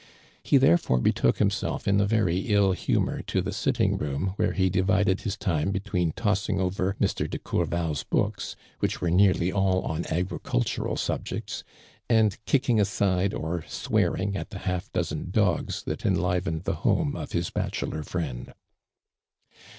He therefore betook himself in a veiy ill l^imor to the sitting room, where he divid ed his time between tossing over Mr. de Courval's books, which were nearly all on agricultural subjects, and kicking aside, or swearing at the half dozen dogs that enliv ened the home of his bachelor friend.